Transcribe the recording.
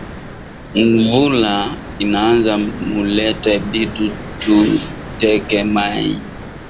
Nvula inaanza mulete bitu tu teke mayi